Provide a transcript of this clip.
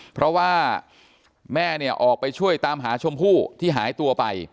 เพราะว่าแม่เนี่ยออกไปช่วยตามหาชมพู่ที่หายตัวไป